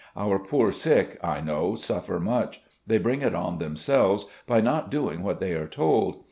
Our poor sick, I know, suffer much. They bring it on themselves by not doing what they are told.